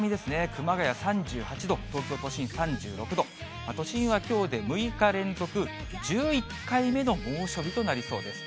熊谷３８度、東京都心３６度、都心はきょうで６日連続１１回目の猛暑日となりそうです。